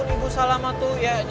terima kasih ya tuhan